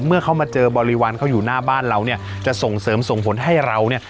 เมื่อเขามาเจอบริวารเขาอยู่หน้าบ้านเราเนี่ยจะส่งเสริมส่งผลให้เราเนี่ย